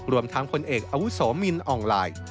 รวมทั้งคนเอกอาวุศมินอ่องไหล่